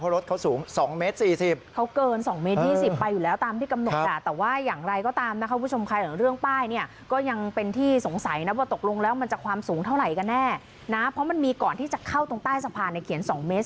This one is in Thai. เพราะรถเขาสูง๒ม๔๐